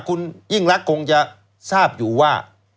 คุณยิ่งรักคงจะทราบอยู่ว่า